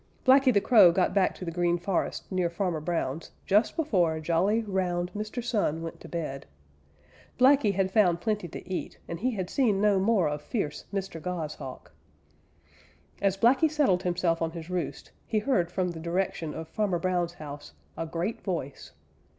Blacky the Crow got back to the Green Forest near Farmer Brown's just before jolly, round Mr. Sun went to bed. Blacky had found plenty to eat and he had seen no more of fierce Mr. Goshawk. As Blacky settled himself on his roost he heard from the direction of Farmer Brown's house a great voice.